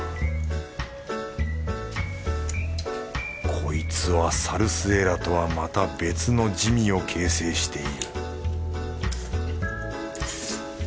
こいつはサルスエラとはまた別の滋味を形成している